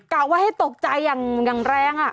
กะว่าให้ตกใจอย่างแรง